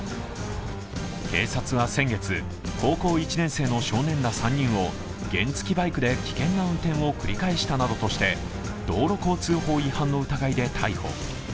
警察は先月、高校１年生の少年ら３人を原付きバイクで危険な運転を繰り返したなどとして道路交通法違反の疑いで逮捕。